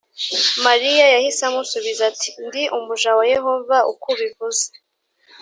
mariya yahise amusubiza ati ndi umuja wa yehova uko ubivuze